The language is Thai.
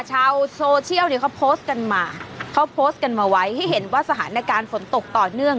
ชาวโซเชียลเนี่ยเขาโพสต์กันมาเขาโพสต์กันมาไว้ให้เห็นว่าสถานการณ์ฝนตกต่อเนื่อง